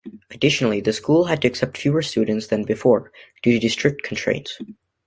Additionally, the school had to accept fewer students than before, due to district constraints.